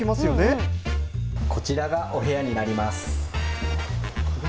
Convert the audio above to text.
こちらがお部屋になります。